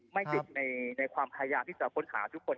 ไม่ติดในความพยายามที่จะค้นหาทุกคน